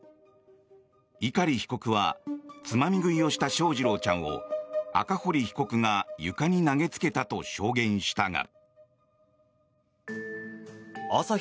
碇被告はつまみ食いをした翔士郎ちゃんを赤堀被告が床に投げつけたと証言したが。